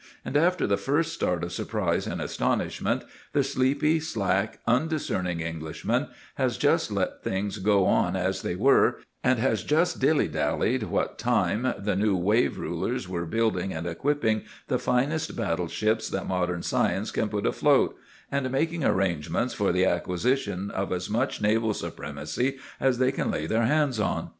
And after the first start of surprise and astonishment, the sleepy, slack, undiscerning Englishman has just let things go on as they were, and has just dilly dallied what time the new wave rulers were building and equipping the finest battle ships that modern science can put afloat, and making arrangements for the acquisition of as much naval supremacy as they can lay their hands on.